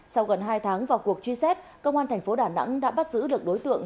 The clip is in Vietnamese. sau gần hai tháng vào cuộc truy xét công an tp hcm đã bắt giữ được đối tượng